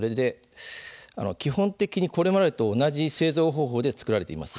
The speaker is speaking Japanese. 基本的にこれまでと同じ製造方法で作られています。